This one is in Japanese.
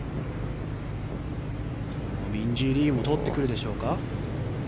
ミンジー・リーも取ってくるでしょうか。